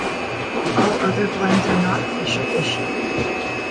All other blends are not official issue.